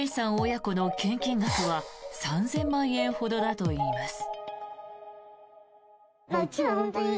親子の献金額は３０００万円ほどだといいます。